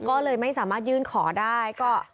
ก็เลยไม่สามารถยื่นขอได้ก็